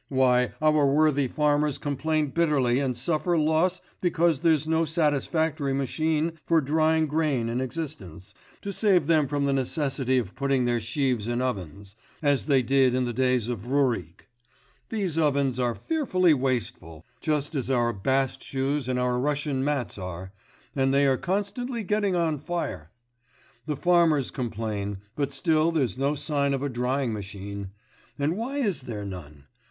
Why our worthy farmers complain bitterly and suffer loss because there's no satisfactory machine for drying grain in existence, to save them from the necessity of putting their sheaves in ovens, as they did in the days of Rurik; these ovens are fearfully wasteful just as our bast shoes and our Russian mats are, and they are constantly getting on fire. The farmers complain, but still there's no sign of a drying machine. And why is there none?